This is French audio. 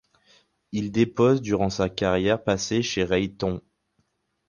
Il dépose durant sa carrière passée chez Raytheon.